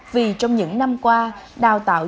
vì trong những năm qua đào tạo